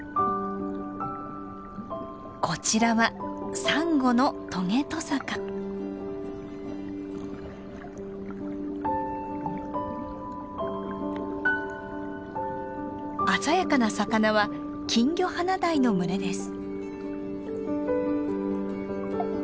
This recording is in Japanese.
こちらはサンゴの鮮やかな魚はキンギョハナダイの群れです。